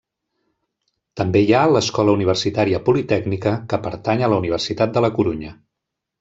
També hi ha l'Escola Universitària Politècnica, que pertany a la Universitat de la Corunya.